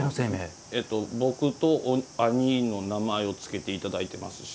僕と兄の名前をつけていただいていますし。